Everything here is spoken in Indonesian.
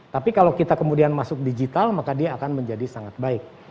tapi kalau kita kemudian masuk digital maka dia akan menjadi sangat baik